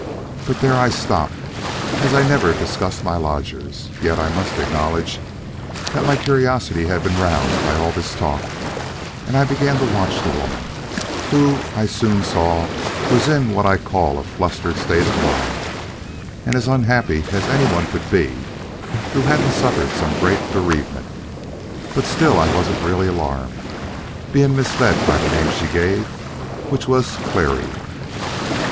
But there I stopped, as I never discuss my lodgers. Yet I must acknowledge that my curiosity had been roused by all this talk, and I began to watch the woman, who I soon saw was in what I would call a flustered state of mind, and as unhappy as anyone could be who hadn't suffered some great bereavement. But still I wasn't really alarmed, being misled by the name she gave, which was Clery.